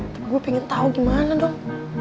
tapi gue pengen tahu gimana dong